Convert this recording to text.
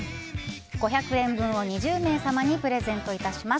５００円分を２０名様にプレゼントいたします。